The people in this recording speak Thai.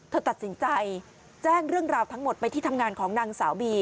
เธอตัดสินใจแจ้งเรื่องราวทั้งหมดไปที่ทำงานของนางสาวบี